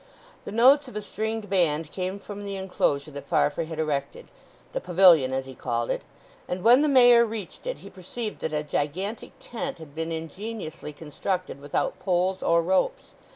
The notes of a stringed band came from the enclosure that Farfrae had erected—the pavilion as he called it—and when the Mayor reached it he perceived that a gigantic tent had been ingeniously constructed without poles or ropes.